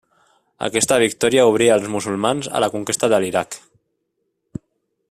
Aquesta victòria obria als musulmans a la conquesta de l'Iraq.